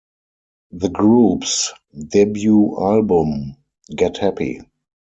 The group's debut album, Get Happy!